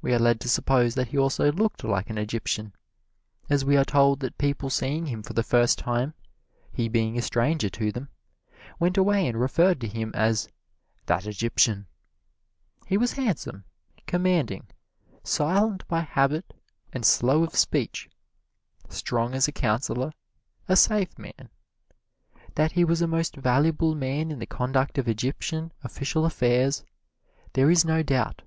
We are led to suppose that he also looked like an Egyptian, as we are told that people seeing him for the first time, he being a stranger to them, went away and referred to him as "that Egyptian." He was handsome, commanding, silent by habit and slow of speech, strong as a counselor, a safe man. That he was a most valuable man in the conduct of Egyptian official affairs, there is no doubt.